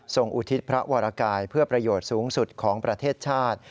อุทิศพระวรกายเพื่อประโยชน์สูงสุดของประเทศชาติ